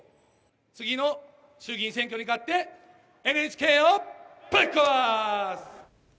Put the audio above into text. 次の衆議院選挙に勝って、ＮＨＫをぶっ壊す。